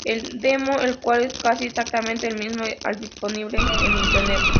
El demo, el cual es casi exactamente el mismo al disponible en internet.